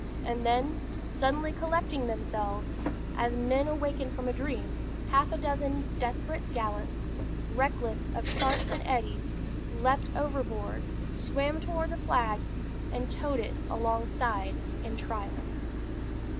And then, suddenly collecting themselves, as men awakened from a dream, half a dozen desperate gallants, reckless of sharks and eddies, leaped overboard, swam toward the flag, and towed it alongside in triumph.